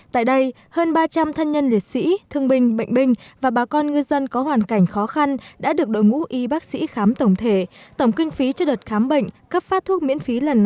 tại đây hơn ba trăm linh thân nhân liệt sĩ thương binh bệnh binh và bà con ngư dân có hoàn cảnh khó khăn